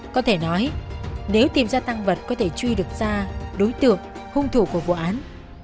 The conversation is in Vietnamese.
có thể nói nếu tìm ra tăng vật có thể truy được ra đối tượng hung thủ của vụ án